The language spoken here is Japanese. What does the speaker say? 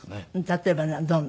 例えばどんな？